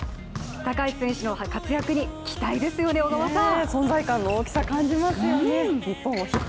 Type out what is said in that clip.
高橋選手の活躍に期待ですよね、小川さん。